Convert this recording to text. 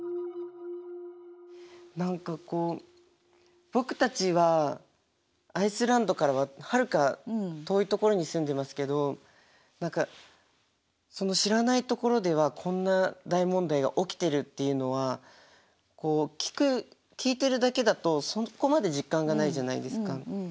何かこう僕たちはアイスランドからははるか遠い所に住んでますけど知らない所ではこんな大問題が起きているっていうのは聞いてるだけだとそこまで実感がないじゃないですか。